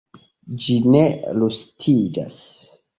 Ĝi ne rustiĝas.